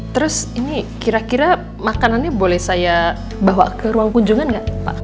terus ini kira kira makanannya boleh saya bawa ke ruang kunjungan nggak pak